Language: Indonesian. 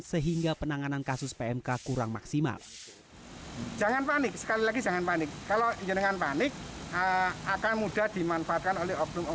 sehingga penanganan kasus pmk kurang maksimal